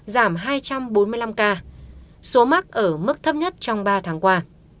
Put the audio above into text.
giảm hai trăm bốn mươi năm ca số mắc ở mức thấp nhất trong ba tháng qua